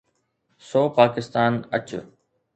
سو پاڪستان اچ.